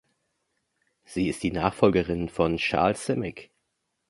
Sie ist die Nachfolgerin von Charles Simic.